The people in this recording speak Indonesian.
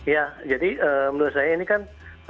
ya jadi menurut saya ini kan